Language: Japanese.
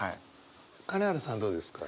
金原さんはどうですか？